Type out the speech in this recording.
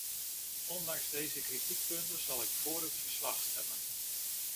Ondanks deze kritiekpunten zal ik vóór het verslag stemmen.